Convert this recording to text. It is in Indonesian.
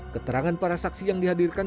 keterangan para saksi yang dihadirkan